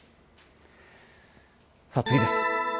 さあ、次です。